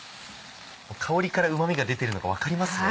香りからうまみが出てるのが分かりますね。